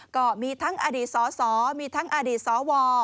ก็มีทั้งอดีตสสมีทั้งอดีตสว